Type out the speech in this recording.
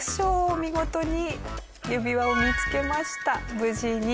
見事に指輪を見つけました。